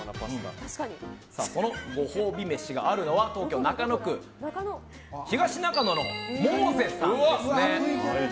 そのご褒美飯があるのは東京・中野区東中野のモーゼさんですね。